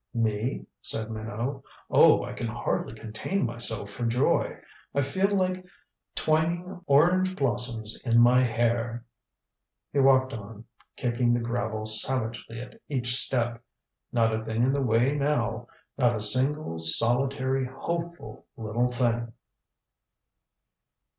"Me?" said Minot. "Oh, I can hardly contain myself for joy. I feel like twining orange blossoms in my hair " He walked on, kicking the gravel savagely at each step. Not a thing in the way now. Not a single, solitary, hopeful, little thing.